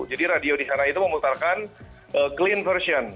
jadi radio di sana itu memutarkan clean version